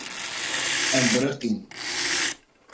Em biriqîn.